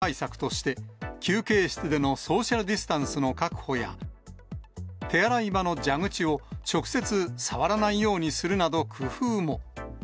乗務員の感染対策として休憩室でのソーシャルディスタンスの確保や、手洗い場の蛇口を直接触らないようにするなど、工夫も。